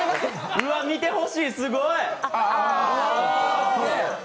うわ、見てほしいすごい！